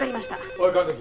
おい神崎。